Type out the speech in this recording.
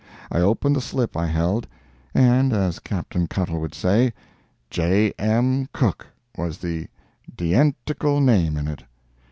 I opened the slip I held, and, as Captain Cuttle would say, "J. M. Cooke" was the "dientical" name in it.